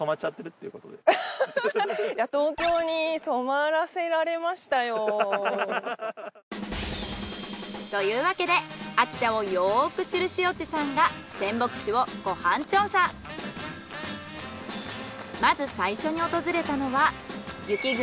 東京に染まらせられましたよ。というわけで秋田をよく知る塩地さんがまず最初に訪れたのは雪国